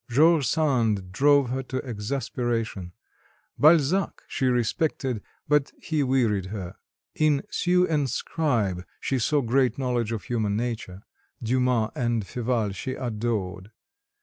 George Sand drove her to exasperation, Balzac she respected, but he wearied her; in Sue and Scribe she saw great knowledge of human nature, Dumas and Féval she adored.